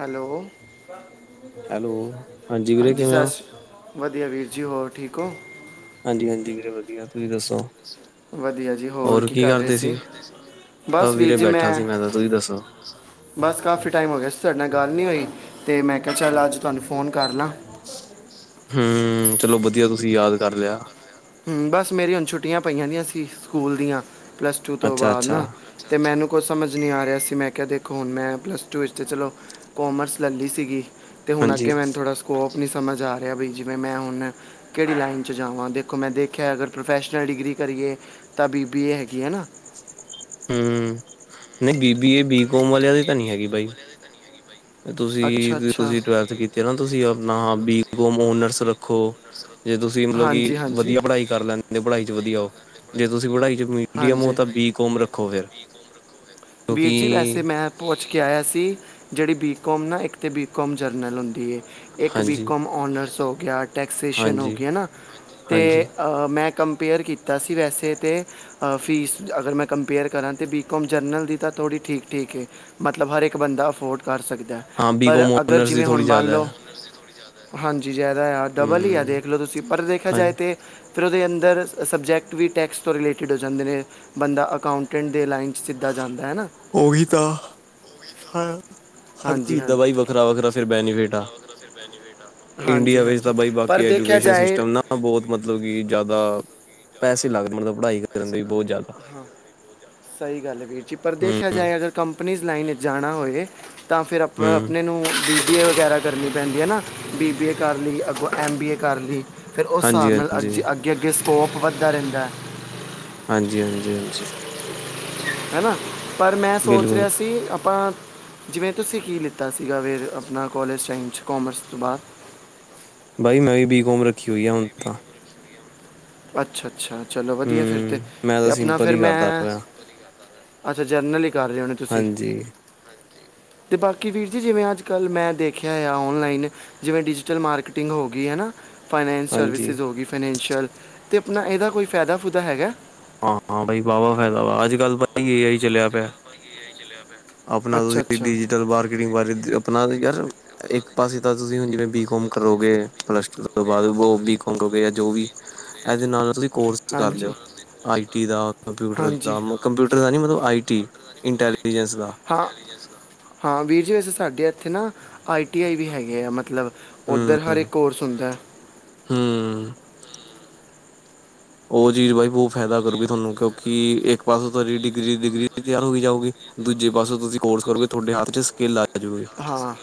Hello. Hello ਵੀਰੇ ਹਾਂਜੀ ਸ ਕਿਵੇਂ ਹੋ ਵਧੀਆ ਵੀਰ ਜੀ ਹੋਰ ਠੀਕ ਹੋ? ਹਾਂਜੀ, ਹਾਂਜੀ ਵੀਰੇ ਵਧੀਆ ਤੁਸੀਂ ਦੱਸੋ? ਵਧੀਆ ਜੀ ਹੋਰ ਕੀ ਕਰ ਰਹੇ ਸੀ। ਬਸ ਵੀਰੇ ਬੈਠਾ ਸੀ ਮੈਂ ਤਾਂ ਤੁਸੀਂ ਦੱਸੋ? ਬਸ ਕਾਫੀ ਟਾਈਮ ਹੋ ਗਿਆ ਸੀ, ਤੁਹਾਡੇ ਨਾਲ ਗੱਲ ਨੀ ਹੋਈ ਤੇ ਮੈਂ ਕਿਹਾ ਚੱਲ ਅੱਜ ਤੁਹਾਨੂੰ ਫੋਨ ਕਰ ਲਾਂ। ਹਮ ਚਲੋ ਵਧੀਆ ਤੁਸੀਂ ਯਾਦ ਕਰ ਲਿਆ। ਬਸ ਮੇਰੀ ਹੁਣ ਛੁੱਟੀਆਂ ਪਈਆਂ ਦੀਆਂ ਸੀ ਸਕੂਲ ਦੀਆਂ, ਪਲੱਸ ਟੂ ਤੋਂ ਅੱਛਾ ਬਾਅਦ ਅੱਛਾ ਨਾ ਤੇ ਮੈਨੂੰ ਕੁਛ ਸਮਝ ਨਹੀਂ ਆ ਰਿਹਾ ਸੀ, ਮੈਂ ਕਿਹਾ ਦੇਖੋ ਹੁਣ ਮੈਂ ਪਲੱਸ ਟੂ ਵਿੱਚ ਤਾਂ ਚਲੋ ਕੋਮਰਸ ਲੈ ਲਈ ਸੀਗੀ। ਤੇ ਹੁਣ ਹਾਂਜੀ ਅੱਗੇ ਮੈਨੂੰ ਥੋੜ੍ਹਾ ਸਕੋਪ ਨਹੀਂ ਸਮਝ ਆ ਰਿਹਾ ਵੀ, ਜਿਵੇਂ ਮੈਂ ਹੁਣ ਕਿਹੜੀ ਲਾਈਨ ਚ ਜਾਵਾਂ ਤੇ ਦੇਖੋ ਮੈਂ ਦੇਖਿਆ ਅਗਰ ਪ੍ਰੋਫੈਸ਼ਨਲ ਡਿਗਰੀ ਕਰੀਏ ਤਾਂ ਬੀਬੀ ਏ ਹੈਗੀ ਹੈ ਨਾ। ਹਮ ਨਹੀਂ ਬੀਬੀਏ ਬੀਕੋਮ ਵਾਲਿਆਂ ਦੀ ਤਾਂ ਨਹੀਂ ਹੈਗੀ ਬਾਈ ਅੱਛਾ ਤੁਸੀਂ, ਅੱਛਾ ਤੁਸੀਂ ਟਵੇਲਥ ਕੀਤੀ ਨਾ ਤੁਸੀਂ ਆਪਣਾ ਬੀਕੋਮ ਓਨਰਸ ਰੱਖੋ। ਜੇ ਤੁਸੀਂ ਮਤਲਬ ਕਿ ਹਾਂਜੀ ਹਾਂਜੀ ਵਧੀਆ ਪੜ੍ਹਾਈ ਕਰ ਲੈਂਦੇ ਪੜ੍ਹਾਈ ਚ ਵਧੀਆ ਹੋ ਜੇ ਤੁਸੀਂ ਪੜ੍ਹਾਈ ਚ ਮੀਡੀਅਮੋ ਹਾਂਜੀ ਤਾਂ ਬੀ ਕੋੋਮ ਰੱਖੋ ਫੇਰ ਵੀਰ ਜੀ ਵੈਸੇ ਮੈਂ ਪੁੱਛ ਕੇ ਆਇਆ ਸੀ ਜਿਹੜੀ ਬੀਕੌਮ ਨਾ, ਇੱਕ ਤਾਂ ਬੀਕੌਮ ਜਰਨਲ ਹੁੰਦੀ ਹੈ ਇੱਕ ਹਾਂਜੀ ਬੀਕੌਮ ਔਨਰਸ ਹੋ ਗਿਆ, ਟੈਕਸੇਸ਼ਨ ਹੋ ਹਾਂਜੀ ਗਈ ਨਾ, ਹਾਂਜੀ ਤੇ ਮੈਂ ਕੰਪੇਅਰ ਕੀਤਾ ਸੀ ਵੈਸੇ ਤੇ ਫੀਸ, ਅਗਰ ਮੈਂ ਕੰਪੇਅਰ ਕਰਾਂ ਤਾਂ ਬੀਕੌਮ ਜਰਨਲ ਦੀ ਤਾਂ ਥੋੜੀ ਠੀਕ ਠੀਕ ਹੈ ਮਤਲਬ ਹਰ ਇੱਕ ਬੰਦਾ ਅਫੋਰ ਹੈ ਕਰ ਸਕਦਾ ਐ, ਹਾਂ ਬੀ ਪਰ ਕੋਮ ਅਗਰ ਓਨਰਸ ਦੀ ਜਿਵੇਂ ਹੁਣ ਥੋੜ੍ਹੀ ਮੰਨ ਜ਼ਿਆਦਾ ਲਓ ਹੈ ਹਾਂਜੀ ਜ਼ਿਆਦਾ ਆ ਡਬਲ ਹੀ ਆ ਹਮ ਦੇਖ ਲੋ ਤੁਸੀਂ, ਪਰ ਦੇਖਿਆ ਜਾਏ ਹਾਂਜੀ ਤੇ ਫਿਰ ਉਹਦੇ ਅੰਦਰ ਸਬਜੈਕਟ ਵੀ ਟੈਕਸਟ ਤੋਂ ਰਿਲੇਟਿਡ ਹੋ ਜਾਂਦੇ ਨੇ ਬੰਦਾ ਅਕਾਉਂਟੈਂਟ ਦੇ ਲਾਈਨ 'ਚ ਸਿੱਧਾ ਜਾਂਦਾ ਹੈ ਨਾ ਉ ਵੀ ਤਾਂ, ਹ ਹਰ ਹਾਂਜੀ ਚੀਜ਼ ਹਾਂ ਦਾ ਬਈ ਵੱਖਰਾ ਵੱਖਰਾ ਫਿਰ ਬੈਨੀਫਿਟ ਆ ਹਾਂਜੀ ਇੰਡੀਆ ਵਿੱਚ ਤਾਂ ਹਾਂਜੀ ਬਾਈ ਪਰ ਬਾਕੀ ਦੇਖਿਆ ਐਜੂਕੇਸ਼ਨ ਜਾਏ ਸਿਸਟਮ ਨਾ ਬਹੁਤ ਮਤਲਬ ਕਿ ਜ਼ਿਆਦਾ ਪੈਸੇ ਲੱਗਦੇ ਮਤਲਬ ਪੜ੍ਹਾਈ ਕਰਨ ਦੇ ਵੀ ਬਹੁਤ ਜ਼ਿਆਦਾ ਹਾਂ ਸਹੀ ਗੱਲ ਹੈ ਵੀਰ ਜੀ ਪਰ ਦੇਖਿਆ ਹਮ ਜਾਵੇ ਅਗਰ ਕੰਪਨੀਜ਼ ਲਾਈਨ ਚ ਜਾਣਾ ਹੋਵੇ ਤਾਂ ਫਿਰ ਆਪ ਹਮ ਆਪਣੇ ਨੂੰ ਉਹ ਬੀ ਬੀ ਏ ਵਗੈਰਾ ਕਰਨੀ ਪੈਂਦੀ ਹੈ ਨਾ, ਬੀ ਬੀ ਏ ਕਰ ਲਈ, ਅੱਗੋਂ ਐਮ ਬੀ ਏ ਕਰ ਲਈ ਫਿਰ ਉਸ ਹਾਂਜੀ ਹਿਸਾਬ ਨਾਲ ਅ ਹਾਂਜੀ ਅੱਗੇ ਅੱਗੇ ਸਕੋਪ ਵਧਦਾ ਰਹਿੰਦਾ ਹੈ ਹਾਂਜੀ ਹਾਂਜੀ ਹਾਂਜੀ ਹੈ ਨਾ, ਪਰ ਮੈਂ ਸੋਚ ਬਿਲਕੁਲ ਰਿਹਾ ਸੀ ਆਪਾਂ ਜਿਵੇਂ ਤੁਸੀਂ ਕੀ ਲਿੱਤਾ ਸੀਗਾ ਵੀਰ ਆਪਣਾ ਕੋਲਜ ਟਾਈਮ 'ਚ ਕੋਮਰਸ ਤੋਂ ਬਾਅਦ ਬਾਈ ਮੈਂ ਵੀ ਬੀਕੌਮ ਰੱਖੀ ਹੋਈ ਆ ਹੁਣ ਤਾਂ ਅੱਛਾ ਅੱਛਾ ਚਲੋ ਵਧੀਆ ਫਿਰ ਤੇ, ਹਮ ਮੈਂ ਤੇ ਤਾਂ ਆਪਣਾ ਸਿੰਪਲ ਫਿਰ ਹੀ ਕਰਦਾ ਮੈਂ ਪਿਆ ਅੱਛਾ ਜਰਨਲ ਹੀ ਕਰ ਰਹੇ ਹੋਣੇ ਤੁਸੀਂ ਹਾਂਜੀ ਅਤੇ ਬਾਕੀ ਵੀਰ ਜੀ ਜਿਵੇਂ ਅੱਜ ਕੱਲ੍ਹ ਮੈਂ ਦੇਖਿਆ ਆ ਔਨਲਾਈਨ ਜਿਵੇਂ ਡਿਜੀਟਲ ਮਾਰਕੀਟਿੰਗ ਹੋ ਗਈ ਹੈ ਨਾ ਫਾਈਨੈਂਸ ਹਾਂਜੀ ਸਰਵਿਸਿਜ਼ ਹੋ ਗਈ ਫਾਈਨੈਂਸ਼ੀਅਲ ਤੇ ਆਪਣਾ ਇਹਦਾ ਕੋਈ ਫਾਇਦਾ ਫੂਦਾ ਹੈਗਾ ਹਾਂ ਹਾਂ ਬਾਈ ਵਾਹ ਵਾਹ ਫਾਇਦਾ ਵਾ, ਅੱਜ ਕੱਲ ਤਾਂ ਏ ਹੀ ਚੱਲਿਆ ਪਿਆ ਆਪਣਾ ਅੱਛਾ ਤੁਸੀਂ ਅੱਛਾ ਡਿਜੀਟਲ ਮਾਰਕੀਟਿੰਗ ਬਾਰੇ ਆਪਣਾ ਯਾਰ ਇੱਕ ਪਾਸੇ ਤਾਂ ਤੁਸੀਂ ਹੁਣ ਜਿਵੇਂ ਬੀਕਮ ਕਰੋਗੇ, ਪਲੱਸ ਟੂ ਤੋਂ ਬਾਅਦ ਬੀਕਮ ਕਰੋਗੇ ਜਾਂ ਜੋ ਵੀ ਇਹਦੇ ਨਾਲ ਤੁਸੀ ਕੋਰਸ ਕਰ ਹਾਂਜੀ ਲਿਓ ਆਈ ਟੀ ਦਾ ਕੰਪਿਊਟਰ ਹਾਂਜੀ ਦਾ ਕੰਪਿਊਟਰ ਦਾ ਨੀ, ਮਤਲਬ ਆਈ ਟੀ ਇੰਟੈਲੀਜੈਂਸ ਦਾ ਹਾਂ ਹਾਂ ਵੀਰ ਜੀ ਵੈਸੇ ਸਾਡੇ ਇੱਥੇ ਨਾ ਆਈ ਟੀ ਆਈ ਵੀ ਹੈਗੇ ਆ ਮਤਲਬ ਹੂੰ ਉੱਧਰ ਹਰ ਇੱਕ ਕੋਰਸ ਹੁੰਦਾ ਹੂੰ ਉਹ ਚੀਜ਼ ਬਾਈ ਬਹੁਤ ਫਾਇਦਾ ਕਰੂਗੀ ਤੁਹਾਨੂੰ, ਕਿਉਂਕਿ ਇੱਕ ਪਾਸੇ ਤੁਹਾਡੀ ਡਿਗਰੀ ਡਿਗਰੀ ਤਿਆਰ ਹੋਈ ਜਾਊਗੀ ਦੂਜੇ ਪਾਸੇ ਤੁਸੀਂ ਕੋਰਸ ਕਰੋਗੇ ਤੁਹਾਡੇ ਹੱਥ ਚ ਸਕਿੱਲ ਆ ਜੁਗੀ ਹਾਂ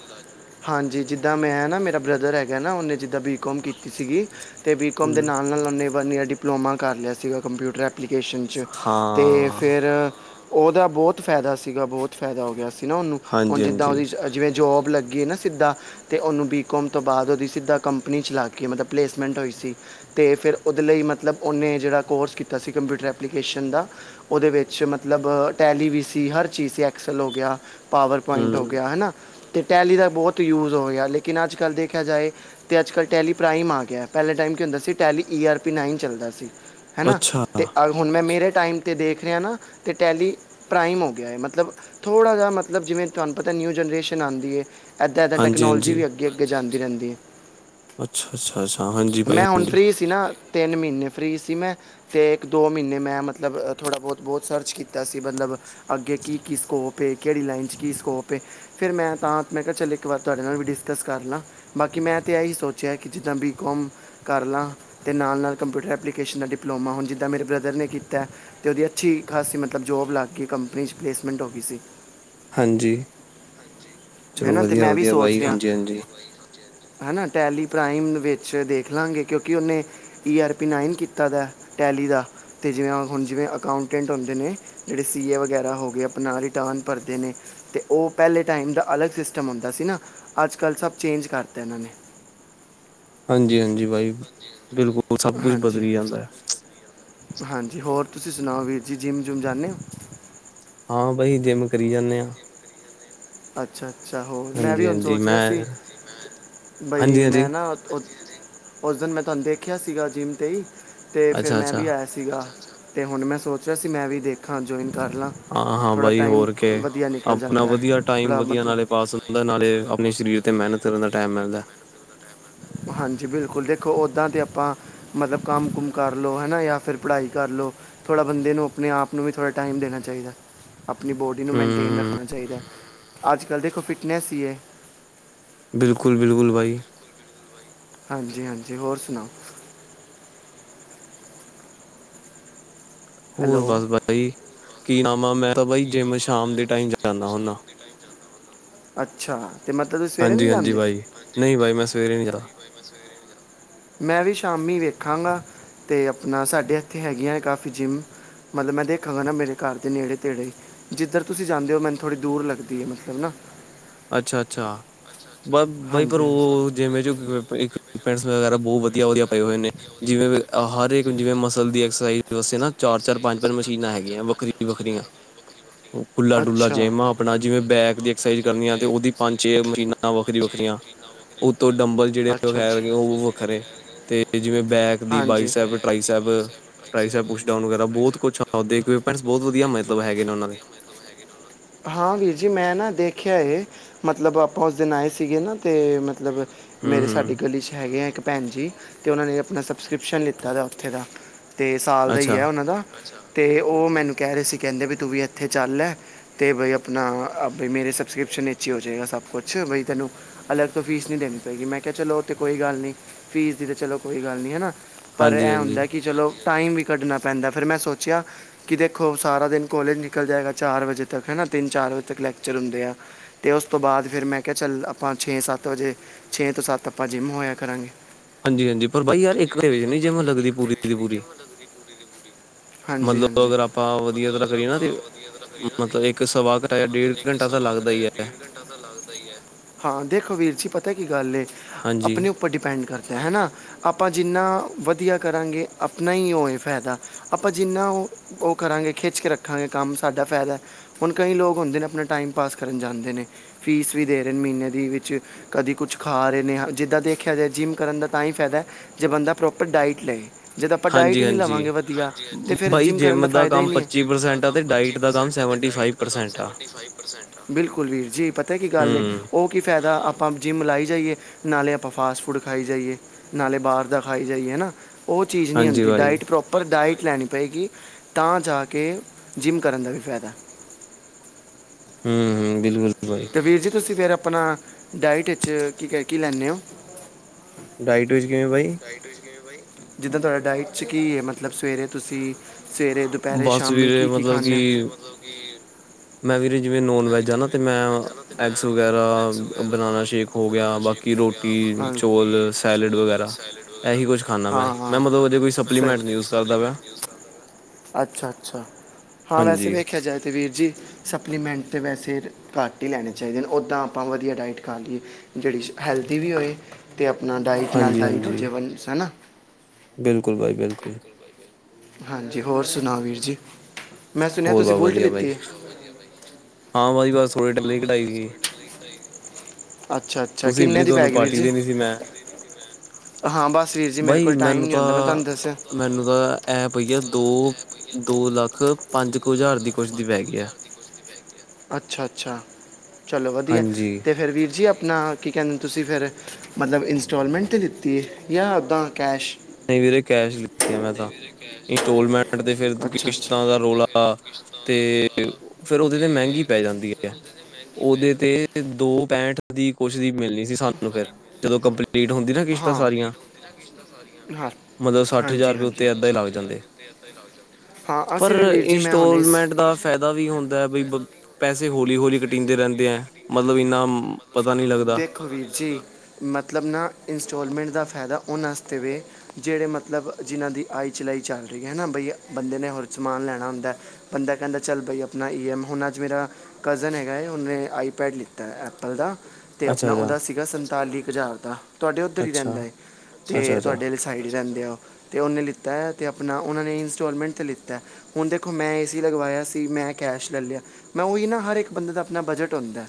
ਹਾਂਜੀ ਜਿੱਦਾਂ ਮੈਂ ਐ ਨਾ, ਮੇਰਾ ਬ੍ਰਦਰ ਹੈਗਾ ਨਾ ਉਹਨੇ ਜਿੱਦਾਂ ਬ ਬੀ ਕੋਮ ਕੀਤੀ ਸੀਗੀ, ਤੇ ਬੀ ਕੋੌਮ ਦੇ ਹੂੰ ਨਾਲ ਨਾਲ ਉਹਨੇ ਵਧੀਆ ਡਿਪਲੋਮਾ ਕਰ ਲਿਆ ਸੀਗਾ ਕੰਪਿਊਟਰ ਐ ਐਪਲੀਕੇਸ਼ਨ 'ਚ ਤੇ ਹਾਂ ਫਿਰ ਉਹਦਾ ਬਹੁਤ ਫਾਇਦਾ ਸੀਗਾ ਬਹੁਤ ਫਾਇਦਾ ਹੋ ਗਿਆ ਸੀ ਸੀ ਨਾ ਉਹਨੂੰ ਹੁਣ ਹਾਂਜੀ ਜਿੱਦਾਂ ਹਾਂਜੀ ਉਹਦੀ ਜਿਵੇਂ ਜੋਬ ਲੱਗੀ ਨਾ ਸਿੱਧਾ ਅਤੇ ਉਹਨੂੰ ਬੀਕੌਮ ਤੋਂ ਬਾਅਦ ਉਹਦੀ ਸਿੱਧਾ ਕੰਪਨੀ ਚ ਲਗ ਗਈ ਐ, ਮਤਲਬ ਪਲੇਸਮੈਂਟ ਹੋਈ ਸੀ ਤੇ ਫਿਰ ਉਹਦੇ ਲਈ ਮਤਲਬ ਉਹਨੇ ਜਿਹੜਾ ਕੋਰਸ ਕੀਤਾ ਸੀ ਕੰਪਿਊਟਰ ਐਪਲੀਕੇਸ਼ਨ ਦਾ ਉਹਦੇ ਵਿੱਚ ਮਤਲਬ ਟੈਲੀ ਵੀ ਸੀ, ਹਰ ਚੀਜ਼ ਸੀ ਐਕਸਲ ਹੋ ਗਿਆ ਪਾਵਰ ਪੁਆਇੰਟ ਹੋ ਗਿਆ ਹੂੰ ਹੈ ਨਾ ਅਤੇ ਟੈਲੀ ਦਾ ਬਹੁਤ ਯੂਜ ਹੋ ਗਿਆ ਲੇਕਿਨ ਅੱਜ ਕੱਲ੍ਹ ਦੇਖਿਆ ਜਾਏ ਤੇ ਅੱਜ ਕੱਲ੍ਹ ਟੈਲੀ ਪ੍ਰਾਈਮ ਆ ਗਿਆ, ਪਹਿਲੇ ਟਾਈਮ ਕੀ ਹੁੰ ਸੀ Tally E R P nine ਚੱਲਦਾ ਸੀ ਹੈ ਨਾ, ਅੱਛਾ ਤੇ ਅ ਹੁਣ ਮੈਂ ਮੇਰੇ ਟਾਈਮ 'ਤੇ ਦੇਖ ਰਿਹਾ ਨਾ, ਤੇ ਟੈਲੀ ਪ੍ਰਾਈਮ ਹੋ ਗਿਆ ਹੈ ਮਤਲਬ ਥੋੜ੍ਹਾ ਜਿਹਾ ਮਤਲਬ ਜਿਵੇਂ ਤੁਹਾਨੂੰ ਪਤਾ ਨਿਊ ਜਨਰੇਸ਼ਨ ਆਉਂਦੀ ਹੈ ਇੱਦਾਂ ਇੱਦਾਂ ਹਾਂਜੀ ਟੈਕਨੋਲਜੀ ਹਾਂਜੀ ਵੀ ਅੱਗੇ ਅੱਗੇ ਜਾਂਦੀ ਰਹਿੰਦੀ ਏ। ਅੱਛਾ-ਅੱਛਾ-ਅੱਛਾ, ਹਾਂਜੀ ਬਾਈ ਮੈਂ ਹੁਣ ਹਾਂਜੀ, ਫ੍ਰੀ ਸੀ ਨਾ ਤਿੰਨ ਮਹੀਨੇ ਫ੍ਰੀ ਸੀ ਮੈਂ ਅਤੇ ਇੱਕ ਦੋ ਮਹੀਨੇ ਮੈਂ ਮਤਲਬ ਥੋੜ੍ਹਾ ਬਹੁਤ ਬਹੁਤ ਸਰਚ ਕੀਤਾ ਸੀ ਮਤਲਬ ਅੱਗੇ ਕੀ ਕੀ ਸਕੋਪ ਹੈ ਕਿਹੜੀ ਲਾਈਨ 'ਚ ਕੀ ਸਕੋਪ ਫਿਰ ਮੈਂ ਤਾਂ, ਮੈਂ ਕਿਹਾ ਚੱਲੋ ਇੱਕ ਵਾਰ ਤੁਹਾਡੇ ਨਾਲ ਵੀ ਡਿਸਕਸ ਕਰ ਲਾਂ। ਬਾਕੀ ਮੈਂ ਤਾਂ ਇਹੀ ਸੋਚਿਆ ਕਿ ਜਿੱਦਾਂ ਬੀ ਕੋਮ ਕਰ ਲਾਂ, ਤੇ ਨਾਲ-ਨਾਲ ਕੰਪਿਊਟਰ ਐਪਲੀਕੇਸ਼ਨ ਦਾ ਡਿਪਲੋਮਾ, ਹੁਣ ਜਿੱਦਾਂ ਮੇਰੇ ਬ੍ਰਦਰ ਨੇ ਕੀਤਾ ਅੇ। ਤੇ ਉਹਦੀ ਅੱਛੀ ਖਾਸੀ ਮਤਲਬ ਜੋਬ ਲੱਗ ਗਈ ਕੰਪਨੀ 'ਚ ਪਲੇਸਮੈਂਟ ਹੋ ਗਈ ਸੀ। ਹਾਂਜੀ, ਹੈ ਚਲੋ ਨਾ ਤੇ ਮੈਂ ਵੀ ਵਧੀਆ-ਵਧੀਆ ਸੋਚ ਬਾਈ ਰਿਹਾ ਹਾਂਜੀ-ਹਾਂਜੀ। ਹਨਾ, ਟੈਲੀਪ੍ਰਾਈਮ ਵਿੱਚ ਦੇਖ ਲਾਂਗੇ ਕਿਉਂਕਿ, ਉਹਨੇ ਈ-ਆਰ-ਪੀ ਨਾਈਨ ਕੀਤਾ ਦਾ ਅੇ, ਟੈਲੀ ਦਾ ਤੇ ਜਿਵੇਂ ਹੁਣ ਜਿਵੇਂ ਅਕਾਊਂਟੈਂਟ ਹੁੰਦੇ ਨੇ ਜਿਹੜੇ ਸੀ ਏ ਵਗੈਰਾ ਹੋ ਗਏ ਆਪਣਾ ਰਿਟਰਨ ਭਰਦੇ ਨੇ ਤੇ ਉਹ ਪਹਿਲੇ ਟਾਈਮ ਦਾ ਅਲੱਗ ਸਿਸਟਮ ਹੁੰਦਾ ਸੀ ਨਾ, ਅੱਜ-ਕੱਲ੍ਹ ਸਭ ਚੇਂਜ ਕਰਤਾ ਇਹਨਾਂ ਨੇ। ਹਾਂਜੀ-ਹਾਂਜੀ ਬਾਈ, ਬਿਲਕੁਲ। ਸਭ ਕੁਛ ਹਾਂਜੀ, ਬਦਲੀ ਜਾਂਦਾ ਐ, ਹਾਂਜੀ ਹੋਰ ਤੁਸੀਂ ਸੁਣਾਓ ਵੀਰ ਜੀ ਜਿੰਮ-ਜੁਮ ਜਾਂਦੇ ਓ? ਹਾਂ ਬਾਈ ਜਿੰਮ ਕਰੀ ਜਾਂਦੇ ਆ। ਅੱਛਾ-ਅੱਛਾ ਹੋਰ, ਮੈਂ ਵੀ ਹੁਣ ਹਾਂਜੀ-ਹਾਂਜੀ ਸੋਚ ਰਿਹਾ ਮੈਂ, ਸੀ ਬਈ ਮੈਂ ਹਾਂਜੀ-ਹਾਂਜੀ, ਨਾ ਉਸ ਦਿਨ ਮੈਂ ਤੁਹਾਨੂੰ ਦੇਖਿਆ ਸੀਗਾ ਜਿੰਮ 'ਤੇ ਹੀ ਤੇ ਫਿਰ ਮੈਂ ਅੱਛਾ-ਅੱਛਾ, ਵੀ ਆਇਆ ਸੀਗਾ, ਤੇ ਹੁਣ ਮੈਂ ਸੋਚ ਰਿਹਾ ਸੀ ਮੈਂ ਵੀ ਦੇਖਾਂ ਜੁਆਇਨ ਕਰ ਲਾਂ। ਹਾਂ-ਹਾਂ ਥੋੜਾ ਬਾਈ ਟਾਈਮ ਹੋਰ ਕੇ ਵਧੀਆ ਨਿਕਲ ਆਪਣਾ ਜਾਂਦਾ ਹੈ ਵਧੀਆ ਟਾਈਮ ਥੋੜਾ ਵਧੀਆ ਮਤਲਬ ਨਾਲੇ ਪਾਸ ਹੁੰਦਾ, ਨਾਲੇ ਆਪਣੇ ਸਰੀਰ ਤੇ ਮਿਹਨਤ ਕਰਨ ਦਾ ਟਾਈਮ ਮਿਲਦਾ। ਹਾਂਜੀ ਬਿਲਕੁਲ ਦੇਖੋ, ਓਦਾਂ ਤੇ ਆਪਾਂ ਮਤਲਬ ਕੰਮ-ਕੁਮ ਕਰ ਲਓ ਹੈਨਾ ਯਾ ਫਿਰ ਪੜ੍ਹਾਈ ਕਰ ਲਉ। ਥੋੜ੍ਹਾ ਬੰਦੇ ਨੂੰ ਆਪਣੇ ਆਪ ਨੂੰ ਵੀ ਥੋੜ੍ਹਾ ਟਾਈਮ ਦੇਣਾ ਚਾਹੀਦਾ। ਆਪਣੀ ਬੋਡੀ ਨੂੰ ਮੇਨਟੇਨ ਹੂੰ, ਰੱਖਣਾ ਚਾਹੀਦਾ, ਅੱਜ-ਕੱਲ੍ਹ ਦੇਖੋ ਫਿਟਨੈਸ ਹੀ ਐ। ਬਿਲਕੁਲ-ਬਿਲਕੁਲ ਬਾਈ। ਹਾਂਜੀ-ਹਾਂਜੀ, ਹੋਰ ਸੁਣਾਓ? ਹੋਰ ਹੈਲੋ ਬਸ ਬਾਈ, ਕੀ ਨਾਮ ਆ ਮੈਂ ਤਾਂ ਬਾਈ ਜਿੰਮ ਸ਼ਾਮ ਦੇ ਟਾਈਮ ਜਾਂਦਾ ਹੁੰਦਾ। ਅੱਛਾ, ਤੇ ਮਤਲਬ ਤੁਸੀਂ ਸਵੇਰੇ ਨਹੀਂ ਹਾਂਜੀ-ਹਾਂਜੀ ਜਾਂਦੇ? ਬਾਈ। ਨਹੀਂ ਬਾਈ ਮੈਂ ਸਵੇਰੇ ਨਹੀਂ ਜਾਂਦਾ। ਨਹੀ ਮੈ ਸਵੇਰੇ ਨਹੀ ਜਾਂਦਾ। ਮੈਂ ਵੀ ਸ਼ਾਮੀ ਵੇਖਾਂਗਾ, ਤੇ ਆਪਣਾ ਸਾਡੇ ਇੱਥੇ ਹੈਗੀਆਂ ਅੇ ਕਾਫੀ ਜਿੰਮ। ਮਤਲਬ ਮੈਂ ਦੇਖਾਗਾ ਨਾ ਮੇਰੇ ਘਰ ਦੇ ਨੇੜੇ-ਤੇੜੇ ਜਿੱਧਰ ਤੁਸੀਂ ਜਾਂਦੇ ਓ, ਮੈਨੂੰ ਥੋੜ੍ਹੀ ਦੂਰ ਲਗਦੀ ਐ ਮਤਲਬ ਨਾ। ਅੱਛਾ-ਅੱਛਾ, ਬ ਬਾਈ ਪਰ ਹਾਂਜੀ ਹਾਂਜੀ ਉਹ ਜਿਵੇਂ ਚ, ਪੈਸਾ ਵਗੈਰਾ ਬਹੁਤ ਵਧੀਆ-ਵਧੀਆ ਪਏ ਹੋਏ ਨੇ ਜਿਵੇਂ ਹਰ ਇੱਕ ਜਿਵੇਂ ਮਸਲ ਦੀ ਐਕਸਰਸਾਈਜ਼ ਵਸਤੇ ਨਾ ਚਾਰ- ਚਾਰ, ਪੰਜ-ਪੰਜ ਮਸ਼ੀਨਾਂ ਹੈਗੀਆਂ ਵੱਖਰੀਆਂ-ਵੱਖਰੀਆਂ। ਖੁੱਲਾ-ਡੁੱਲਾ ਅੱਛਾ ਜੇਮ ਆ ਆਪਣਾ ਜਿਵੇਂ ਬੈਕ ਦੀ ਐਕਸਰਸਾਈਜ਼ ਕਰਨੀ ਤੇ ਉਹਦੀ ਪੰਜ-ਛੇ ਮਸ਼ੀਨਾਂ ਵੱਖਰੀਆ- ਵੱਖਰੀਆਂ ਉਹਤੋ ਡੰਬਲ ਜਿਹੜੇ ਅੱਛਾ ਵੈ ਅੱਛਾ ਉਹ ਵੱਖਰੇ ਤੇ ਜਿਵੇਂ ਬੈਕ ਨੇ ਦੀ ਹਾਂਜੀ ਬਾਈਸੈਪ ਕੋਈ [unintelligible] ਬਹੁਤ ਕੁਛਮਟਸ ਬਹੁਤ ਵਧੀਆ ਮਤਲਬ ਹੈਗੇ ਨੇ ਉਹਨਾਂ ਦੇ। ਨਾਲ ਹਾਂ ਵੀਰ ਜੀ, ਮੈਂ ਨਾ ਦੇਖਿਆ ਮਤਲਬ ਆਪਾਂ ਉਸ ਦਿਨ ਆਏ ਸੀਗੇ ਨਾ ਅਤੇ ਮਤਲਬ ਮੇਰੇ ਸਾਡੀ ਹੂੰ-ਹੂੰ ਗਲੀ 'ਚ ਹੈਗੇ ਆ, ਇੱਕ ਭੈਣ ਜੀ ਤੇ ਉਹਨਾਂ ਨੇ ਆਪਣਾ ਸਬਸਕ੍ਰਿਪਸ਼ਨ ਲਿੱਤਾ ਦਾ ਉੱਥੇ ਦਾ। ਤੇ ਸਾਲ ਦਾ ਈ ਅੱਛਾ ਆ ਉਹਨਾਂ ਦਾ, ਤੇ ਉਹ ਮੈਨੂੰ ਕਹਿ ਰਹੇ ਸੀ ਕਹਿੰਦੇ ਵੀ ਤੂੰ ਵੀ ਇੱਥੇ ਚੱਲ ਐ। ਤੇ ਬਈ ਆਪਨਾ ਆਪੇ ਮੇਰੇ ਸਬਸਕ੍ਰਿਪਸ਼ਨ ਵਿਚ ਈ ਹੋ ਜਾਏਗਾ ਸਬ ਕੁਛ ਬਈ ਤੈਨੂੰ ਅਲੱਗ ਤੋਂ ਫੀਸ ਨੀ ਦੇਨੀ ਪਏਗੀ ਮੈਂ ਕਿਆ ਚਲੋ ਓ ਤੇ ਕੋਈ ਗੱਲ ਨੀ, ਫੀਸ ਦੀ ਤਾਂ ਚਲੋ ਕੋਈ ਗੱਲ ਨੀ ਹਨਾ। ਪਰ ਐਂ ਹਾਂਜੀ-ਹਾਂਜੀ, ਹੁੰਦਾ ਕੀ ਚਲੋ ਟਾਈਮ ਵੀ ਕੱਢਨਾ ਪੈਂਦਾ ਫਿਰ ਮੈਂ ਸੋਚੇਆ ਕੇ ਦੇਖੋ ਸਾਰਾ ਦਿਨ ਕੋਲਜ ਨਿਕਲ ਜਾਏਗਾ ਚਾਰ ਵਜੇ ਤੱਕ ਹਨਾ ਤਿੰਨ-ਚਾਰ ਵਜੇ ਤੱਕ ਲੈਕਚਰ ਹੁੰਦੇ ਆ। ਤੇ ਉਸ ਤੋਂ ਬਾਦ ਫੇਰ ਮੈਂ ਕਿਆ ਚੱਲ ਆਪਾਂ ਛੇ-ਸੱਤ ਵਜੇ ਛੇ ਤੋਂ ਸੱਤ ਆਪਾਂ ਜਿੰਮ ਹੋਏਆ ਕਰਾਂਗੇ। ਹਾਂਜੀ-ਹਾਂਜੀ ਪਰ ਬਾਈ ਯਾਰ ਇੱਕ [unintelligible] ਨੀ ਜਿੰਮ ਲੱਗਦੀ ਪੂਰੀ ਦੀ ਪੂਰੀ। ਨਿਫਟੀ ਮਤਲਬ ਅਗਰ ਆਪਾਂ ਵਦੀਆ ਤਰਾਂ ਕਰੀਏ ਨਾ ਤੇ, ਮਤਲਬ ਇੱਕ ਸਵਾ ਕ ਘੰਟਾ ਜਾਂ ਡੇਢ ਕ ਘੰਟਾ ਤਾਂ ਲੱਗਦਾ ਈ ਐ। ਘੰਟਾ ਤਾਂ ਲੱਗਦਾ ਈ ਐ ਹਾਂ ਦੇਖੋ ਵੀਰ ਜੀ ਪਤਾ ਕੀ ਗੱਲ ਏ, ਹਾਂਜੀ, ਆਪਨੇ ਉੱਪਰ ਡਿਪੈਂਡ ਕਰਦੈ ਹਨਾ, ਆਪਾਂ ਜਿੰਨਾ ਵਦੀਆ ਕਰਾਂਗੇ, ਆਪਨਾ ਈ ਓ ਐ ਫੈਦਾ। ਆਪਾਂ ਜਿੰਨਾ ਓ -ਓ ਕਰਾਂਗੇ ਖਿੱਚ ਕੇ ਰੱਖਾਂਗੇ ਕੰਮ ਸਾਡਾ ਫੈਦੈ। ਹੁਨ ਕਈ ਲੋਕ ਹੁੰਦੇ ਨੇ ਆਪਨਾ ਟਾਈਮ ਪਾਸ ਕਰਨ ਜਾਂਦੇ ਨੇ, ਫੀਸ ਵੀ ਦੇ ਰਏ ਨੇ ਮੀਨੇ ਦੀ ਵਿੱਚ। ਕਦੀ ਕੁੱਛ ਖਾ ਰਏ ਨੇ ਜਿੱਦਾਂ ਦੇਖੇਆ ਜਾਏ ਜਿੰਮ ਕਰਨ ਦਾ ਤਾਂਈ ਫੈਦੈ। ਜੇ ਬੰਦਾ ਪ੍ਰੋਪਰ ਡਾਇਟ ਲਏ, ਜਦ ਆਪਾਂ ਡਾਇਟ ਹਾਂਜੀ, ਈ ਨਈਂ ਹਾਂਜੀ। ਲਵਾਂਗੇ ਵਦੀਆ ਤੇ ਫੇਰ ਬਾਈ ਜਿੰਮ ਕਰਨ ਦਾ ਫਾਇਦਾ ਈ ਕੰਮ ਨੀ ਐ, ਭਾਜੀ ਪੱਚੀ ਜਿੰਮ ਦਾ ਪ੍ਰਸੈਂਟ ਆ ਕੰਮ ਤੇ ਪੱਚੀ ਡਾਇਟ ਦਾ ਕੰਮ ਪ੍ਰਸੈਂਟ ਐ ਤੇ ਸੈਵਨਟੀ ਡਾਇਟ ਫਾਈਵ ਦਾ ਕੰਮ ਪ੍ਰਸੈਂਟ ਆ। ਸੈਵੰਟੀ ਫ਼ਾਇਵ ਪ੍ਰਸੈਂਟ ਐ, ਬਿਲਕੁਲ ਵੀਰ ਜੀ ਪਤਾ ਕੀ ਗੱਲ ਏ ਹੂੰ, ਓ ਓ ਕੀ ਫੈਦਾ ਆਪਾਂ ਜਿੰਮ ਲਾਈ ਜਾਈਏ, ਨਾਲੇ ਆਪਾਂ ਫਾਸਟ ਫੂਡ ਖਾਈ ਜਾਈਏ। ਨਾਲੇ ਬਾਰ ਦਾ ਖਾਈ ਜਾਈਏ ਨਾ, ਓ ਚੀਜ਼ ਨੀ ਹਾਂਜੀ ਹੁੰਦੀ ਬਾਈ ਡਾਈਟ ਪ੍ਰੋਪਰ ਡਾਈਟ ਲੈਨੀ ਪਏਗੀ ਤਾਂ ਜਾ ਕੇ ਜਿੰਮ ਕਰਨ ਦਾ ਵੀ ਫੈਦੈ। ਹੂੰ-ਹੂੰ, ਬਿਲਕੁਲ [unintelligible] ਭਾਜੀ। ਤੇ ਵੀਰ ਜੀ, ਤੁਸੀਂ ਫੇਰ ਆਪਨਾ ਡਾਇਟ ਵਿੱਚ ਕੀ-ਕੀ ਲੈਂਨੇ ਓਂ। ਡਾਇਟ ਵਿੱਚ ਕਿਵੇਂ ਬਾਈ ਡਾਇਟ ਵਿੱਚ ਕਿਵੇਂ ਬਾਈ, ਜਿੱਦਾਂ ਤੁਆਡਾ ਡਾਈਟ ਚ ਕੀ ਏ ਮਤਲਬ ਸਵੇਰੇ ਤੁਸੀਂ ਸਵੇਰੇ, ਦੁਪੈਰੇ, ਬਸ ਸ਼ਾਮੀ ਵੀਰੇ ਕੀ-ਕੀ ਮਤਲਬ ਖਾਂਨੇ ਓਂ, ਕਿ ਸਵੇਰੇ ਮੈਂ ਵੀਰੇ ਜਿਵੇਂ ਨੋਨ ਵੈੱਜ ਆ ਨਾ ਤੇ ਮੈਂ ਨੋਨ ਵੈਜ ਆ ਨਾ ਤੇ ਮੈਂ ਐਗਸ ਵਗੈਰਾ ਐਗਸ ਵਗੈਰਾ, ਬਨਾਨਾ ਸ਼ੇਕ ਹੋ ਗਿਆ ਬਨਾਨਾ ਸ਼ੇਕ ਬਾਕੀ ਹੋ ਗਿਆ, ਬਾਕੀ ਰੋਟੀ, ਪ੍ਰੋਟੀਨ ਚੌਲ, ਸੈਲਡ ਚੋਲ, ਵਗੈਰਾ। ਸੈਲਡ ਵਗੈਰਾ, ਇਹੀ ਕੁਛ ਖਾਂਦਾ ਮੈਂ, ਹਾਂ-ਹਾਂ ਆ ਕੁਛ ਖਾਨਾਂ ਮਤਲਬ ਅਜੇ ਮੈਂ ਕੋਈ ਸਪਲੀਮੈਂਟ ਨਹੀਂ ਯੂਜ ਕਰਦਾ ਪਿਆ ਸਪਲੀਮੈਂਟ ਨੀ ਯੂਜ਼ ਕਰਦਾ। ਅੱਛਾ-ਅੱਛਾ, ਹਾਂ ਵੈਸੇ ਹਾਂਜੀ। ਵੇਖੇਆ ਜਾਏ ਤੇ ਵੀਰ ਜੀ ਸਪਲੀਮੈਂਟ ਤੇ ਵੈਸੇ ਘੱਟ ਈ ਲੈਨੇ ਚਾਈਦੇ ਨੇ ਓਦਾਂ ਆਪਾਂ ਵਦੀਆ ਡਾਇਟ ਖਾ ਲੀਏ, ਜੇੜੀ ਹੈਲਦੀ ਵੀ ਹੋਏ। ਤੇ ਆਪਨਾ ਡਾਇਟ ਨਾਲ ਹਾਂਜੀ ਡਾਇਟ ਹਾਂਜੀ ਹੋਜੇ ਵੰਨ ਸਨ ਬਿਲਕੁਲ, ਬਾਈ ਬਿਲਕੁਲ। ਹਾਂਜੀ ਹੋਰ ਸਨਾਓ ਵੀਰ ਜੀ, ਮੈਂ ਸੁਨੇਆ ਹੋਰ ਵਾ ਤੁਸੀਂ ਬੁਲਟ ਵਧੀਆ ਬਾਈ ਲਿੱਤੀ ਐ। ਹਾਂ, ਬਾਈ ਬਸ ਸੋਰੇ ਡੱਬਲੀ ਕਢਾਈ ਸੀ। ਅੱਛਾ-ਅੱਛਾ, ਤੁਸੀਂ ਕਿੰਨੇ ਮਿਲਣੀ ਦੀ ਤੁਹਾਨੂੰ ਪੈਗੀ ਵੀਰ ਪਾਰਟੀ ਜੀ। ਦੇਣੀ ਸੀ ਮੈਂ ਹਾਂ ਬਸ ਵੀਰ ਜੀ ਮੇਰੇ ਬਾਈ ਕੋਲ ਟਾਈਮ ਮੈਨੂੰ ਨੀ ਤਾਂ ਹੁੰਦਾ ਮੈਂ ਤਾਨੂੰ ਦੱਸੇਐ। ਮੈਨੂੰ ਤਾਂ ਐਂ ਪਈ ਐ ਦੋ, ਦੋ ਲੱਖ-ਪੰਜ ਕੁ ਜ਼ਾਰ ਦੀ ਕੁੱਛ ਦੀ ਪੈ ਗਈ ਐ। ਅੱਛਾ-ਅੱਛਾ, ਚਲੋ ਵਦੀਐ ਹਾਂਜੀ ਤੇ ਫੇਰ ਵੀਰ ਜੀ ਆਪਨਾ ਕੀ ਕੈਂਦੇ ਨੇ ਤੁਸੀਂ ਫੇਰ ਮਤਲਬ ਇੰਸਟੋਲਮੈਂਟ ਤੇ ਲਿੱਤੀ ਏ ਜਾਂ ਓਦਾਂ ਕੈਸ਼। ਨਈਂ ਵੀਰੇ ਕੈਸ਼ ਲਿੱਤੀ ਮੈਂ ਤਾਂ, ਇੰਸਟੋਲਮੈਂਟ ਤੇ ਫੇਰ ਅੱਛਾ ਅੱਛਾ ਕਿਸ਼ਤਾਂ ਦਾ ਰੌਲਾ। ਤੇ ਫੇਰ ਓਦੇ ਤੇ ਮਹਿੰਗੀ ਪੈ ਜਾਂਦੀ ਐ। ਓਦੇ ਤੇ ਦੋ-ਪੈਂਠ ਦੀ ਕੁੱਛ ਦੀ ਮਿਲੀ ਸੀ। ਤੇ ਸਾਨੂੰ ਫੇਰ ਜਦੋਂ ਕੰਪਲੀਟ ਹੁੰਦੀ ਨਾ ਕਿਸ਼ਤਾਂ ਹਾਂ ਸਾਰੀਆਂ ਹਾਂ। ਮਤਲਬ ਸੱਠ ਹਜ਼ਾਰ ਰੁਪਏ ਹਾਂਜੀ-ਹਾਂਜੀ। ਉੱਤੇ ਏਦਾਂ ਹੀ ਲੱਗ ਜਾਂਦੇ ਹਾਂ, ਅਸੀਂ ਵੀ ਵੀਰ ਜੀ ਮੈਂ ਹੁਣੇ ਫੈਦਾ ਵੀ ਹੁੰਦਾ ਐ। ਬਈ ਬ ਪੈਸੇ ਹੌਲੀ-ਹੌਲੀ ਕਟੀਂਦੇ ਰਹਿੰਦੇ ਆ, ਮਤਲਬ ਇੰਨਾ ਪਤਾ ਨਹੀਂ ਲੱਗਦਾ ਦੇਖੋ ਵੀਰ ਜੀ, ਮਤਲਬ ਨਾ ਇੰਸਟਾਲਮੈਂਟ ਦਾ ਫੈਦਾ ਹੋਣ ਉਹਨਾਂ ਵਾਸਤੇ ਵੇ। ਜਿਹੜੇ ਮਤਲਬ ਜਿਹਨ੍ਹਾਂ ਦੀ ਆਈ-ਚਲਾਈ ਚੱਲ ਰਹੀ ਹੈ ਨਾ ਬਈ, ਬੰਦੇ ਨੇ ਹੋਰ ਸਮਾਨ ਲੈਣਾ ਹੁੰਦਾ ਐ। ਬੰਦਾ ਕਹਿੰਦਾ, ਚੱਲ ਬਾਈ ਆਪਣਾ ਈ ਐਮ, ਹੁਣ ਅੱਜ ਮੇਰਾ ਕਜ਼ਨ ਹੈਗਾ ਐ, ਉਹਨੇ ਆਈਪੈਡ ਲਿੱਤਾ ਐ, ਐਪਲ ਦਾ। ਅਤੇ ਅੱਛਾ ਆਪਣਾ ਅੱਛਾ ਉਹਦਾ ਸੀਗਾ, ਸੰਤਾਲੀ ਕ ਹਜ਼ਾਰ ਦਾ ਤੁਹਾਡੇ ਉੱਧਰ ਹੀ ਅੱਛਾ ਰਹਿੰਦਾ ਏ, ਅੱਛਾ ਤੇ ਅੱਛਾ ਤੁਹਾਡੇ ਸਾਈਡ ਹੀ ਰਹਿੰਦੇ ਆ, ਤੇ ਉਹਨੇ ਲਿੱਤਾ ਤੇ ਆਪਣਾ ਉਹਨਾਂ ਨੇ ਇੰਸਟੋਲਮੈਂਟ 'ਤੇ ਲਿੱਤਾ। ਹੁਣ ਦੇਖੋ, ਮੈਂ ਏ-ਸੀ ਲਗਵਾਇਆ ਸੀ, ਮੈਂ ਕੈਸ਼ ਲੈ ਲਿਆ। ਮੈਂ ਉਹੀ ਨਾ, ਹਰ ਇੱਕ ਬੰਦੇ ਦਾ ਆਪਣਾ ਬਜਟ ਹੁੰਦਾ ਐ।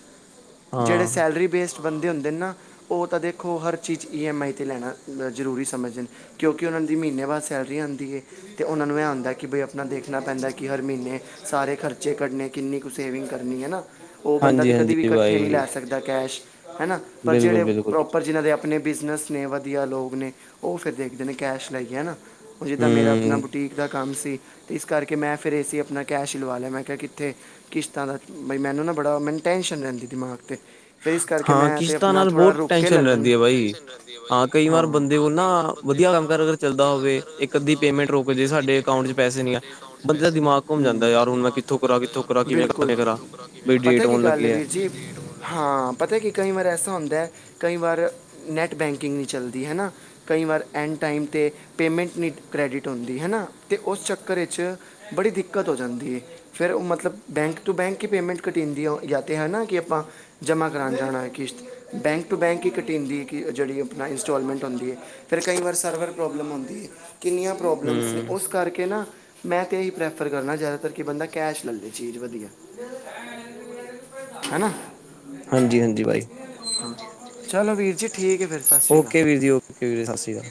ਜਿੜੇ ਹਾਂ ਸੈਲਰੀ ਬੇਸਡ ਬਦੇ ਹੁੰਦੇ ਨੇ ਨਾ ਉਹ ਤਾਂ ਦੇਖੋ, ਹਰ ਚੀਜ਼ ਈ-ਐਮ-ਆਈ'ਤੇ ਲੈਣਾ ਜ਼ਰੂਰੀ ਸਮਝਦੇ ਕਿਉਂਕਿ ਉਹਨਾਂ ਦੀ ਮਹੀਨੇ ਬਾਅਦ ਸੈਲਰੀ ਆਂਦੀ ਏ। ਤੇ ਉਹਨਾਂ ਨੂੰ ਇਹ ਹੁੰਦਾ, ਕਿ ਬਈ ਆਪਣਾ ਦੇਖਣਾ ਪੈਂਦਾ ਕਿ ਹਰ ਮਹੀਨੇ ਸਾਰੇ ਖਰਚੇ ਕੱਢਣੇ ਕਿੰਨੀ ਕੁ ਸੇਵਿੰਗ ਕਰਨੀ ਹੈ ਨਾ ਉਹ ਬੰਦਾ ਹਾਂਜੀ ਤਾਂ ਕਦੇ ਵੀ ਹਾਂਜੀ ਕੱਠੇ ਨਹੀ ਲੈ ਬਾਈ ਸਕਦਾ ਜਾ ਕੈਸ਼ ਹਨਾ ਪਰ ਬਿਲਕੁਲ ਜੇੜੇ ਬਿਲਕੁਲ ਪ੍ਰੋਪਰ ਜਿਨ੍ਹਾਂ ਦੇ ਆ ਆਪਣੇ ਬਿਜ਼ਨਸ ਨੇ ਵਧੀਆ ਲੋਕ ਨੇ ਓ ਫਿਰ ਦੇਖਦੇ ਨੇ ਕੈਸ਼ ਲਾਈਏ ਹੈਨਾ। ਹੁਣ ਜਿੱਦਾਂ ਮੇਰਾ ਆਪਣਾ ਹਮ ਬੁਟੀਕ ਦਾ ਕੰਮ ਸੀ। ਇਸ ਕਰਕੇ ਮੈਂ ਫਿਰ ਏ ਸੀ ਆਪਣਾ ਕੈਸ਼ ਲਵਾ ਲਿਆ ਮੈਂ ਕਿਹਾ ਕਿੱਥੇ ਕਿਸ਼ਤਾਂ ਦਾ ਬਈ ਮੈਨੂੰ ਨਾ ਬੜਾ ਮੈਨੂੰ ਟੈਂਨਸ਼ਨ ਰੈਂਦੀ ਦਿਮਾਗ ਤੇ। ਫੇਰ ਇਸ ਕਰਕੇ ਹਾਂ ਮੈਂ ਤੇ ਕਿਸ਼ਤਾਂ ਆਪਣਾ ਨਾਲ ਥੋੜਾ ਬਹੁਤ ਰੁਕ ਕੇ ਲੈ ਟੈਨਸ਼ਨ ਲੈਣਾ। ਰਹਿੰਦੀ ਹੈ ਬਾਈ ਕਈ ਵਾਰ ਹਾਂ। ਬੰਦੇ ਕੋਲ ਨਾ ਵਧੀਆ ਕੰਮ- ਕਾਰ ਅਗਰ ਚੱਲਦਾ ਹੋਵੇ ਇੱਕ ਅੱਧੀ ਪੇਮੈਂਟ ਰੁਕ ਜੇ ਸਾਡੇ ਅਕਾਊਂਟ ਚੇ ਪੈਸੇ ਨੀ ਆਏ ਬੰਦੇ ਦਾ ਦਿਮਾਗ ਘੁੰਮ ਜਾਂਦਾ ਯਾਰ ਹੁਣ ਮੈਂ ਕਿੱਥੋਂ ਕਰਾਂ ਕਿੱਥੋਂ ਕਰਾਂ ਕਿਵੇ ਬਿਲਕੁਲ। ਕਰਾਂ ਬ ਪਤਾ ਡੇਟ ਕੀ ਹੋਣ ਗੱਲ ਲੱਗੀ ਹੈ ਐ ਵੀਰ ਜੀ ਹਾਂ, ਪਤਾ ਕੀ ਕਈ ਵਾਰ ਐਸਾ ਹੁੰਦਾ ਕਈ ਵਾਰ ਨੈੱਟ ਬੈਂਕਿੰਗ ਨਹੀ ਚੱਲਦੀ ਹੈਨਾ। ਕਈ ਵਾਰ ਐਂਡ ਟਾਈਮ ਤੇ ਪੇਮੈਂਟ ਨੀ ਕ੍ਰੈਡਿਟ ਹੁੰਦੀ ਹੈਨਾ ਤੇ ਉਸ ਚੱਕਰ ਛੇ ਬੜੀ ਦਿੱਕਤ ਹੋ ਜਾਂਦੀ ਏ। ਫੇਰ ਓ ਮਤਲਬ ਬੈਂਕ ਤੋਂ ਬੈਂਕ ਈ ਪੇਮੈਂਟ ਘਟੀ ਜਾਂਦੀ ਯ ਤੇ ਹਨਾਂ ਕੀ ਆਪਾਂ ਜਮ੍ਹਾਂ ਕਰਾਣ ਜਾਣਾ ਕਿਸ਼ਤ ਬੈਂਕ ਟੂ ਬੈਂਕ ਈ ਘਟੀ ਜਾਂਦੀ ਐ ਕੀ ਜੇੜੀ ਆਪਣਾ ਇੰਸਟਾਲਮੈਂਟ ਹੁੰਦੀਂ ਏ। ਫੇਰ ਕਈ ਵਾਰ ਸਰਵਰ ਪ੍ਰੋਬਲਮ ਔਂਦੀ ਏ ਕਿੰਨੀਆਂ ਪ੍ਰੋਬਲਮਸ ਨੇ ਹਮ ਉਸ ਕਰਕੇ ਨਾ ਮੈਂ ਤਾਂ ਏਈ ਪ੍ਰੈਫਰ ਕਰਨਾ ਜਾਦਾਤਰ ਕੀ ਬੰਦਾ ਕੈਸ਼ ਲੈ ਲੇ ਚੀਜ਼ ਵਧੀਆ। ਹਨਾ। ਹਾਂਜੀ-ਹਾਂਜੀ ਬਾਈ। ਚਲੋ ਵੀਰ ਜੀ ਠੀਕ ਏ ਫੇਰ ਤੇ। ਓਕੇ ਵੀਰ ਜੀ ਓਕੇ ਵੀਰ ਜ ਸਸ ਸ਼੍ਰੀ ਕਾਲ।